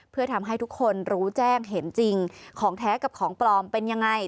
เพื่อทำให้ทุกคนรู้แจ้งเห็นจริงของแท้กับของปลอมเป็นยังไง